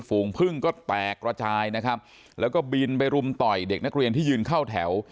ฝูงพึ่งก็แตกระจายนะครับแล้วก็บินไปรุมต่อยเด็กนักเรียนที่ยืนเข้าแถว